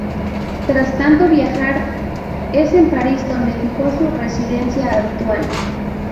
Tras tanto viajar, es en París donde fijó su residencia habitual.